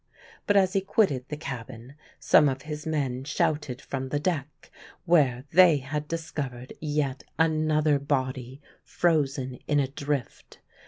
But as he quitted the cabin some of his men shouted from the deck, where they had discovered yet another body frozen in a drift.